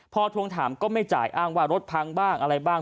พอทวงถามก็ไม่จ่ายอ้างว่ารถพังบ้างอะไรบ้าง